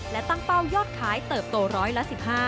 และตั้งเป้ายอดขายเติบโตร้อยละ๑๕